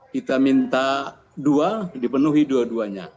kita minta dua dipenuhi dua duanya